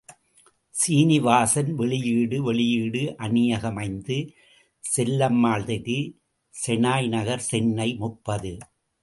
சீனிவாசன் வெளியீடு வெளியீடு அணியகம் ஐந்து, செல்லம்மாள் தெரு, செனாய் நகர், சென்னை முப்பது.